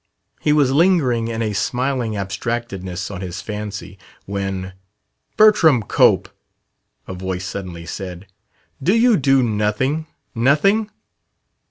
He was lingering in a smiling abstractedness on his fancy, when "Bertram Cope!" a voice suddenly said, "do you do nothing nothing?"